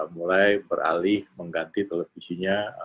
mulai beralih mengganti televisinya